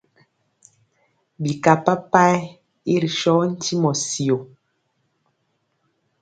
Bika papayɛ i ri so ntimɔ syo.